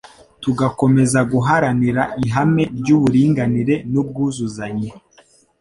tugakomeza guharanira ihame ry'uburinganire n'ubwuzuzanye